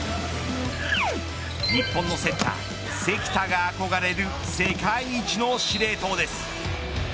日本のセッター関田が憧れる世界一の司令塔です。